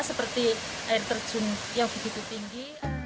seperti air terjun yang begitu tinggi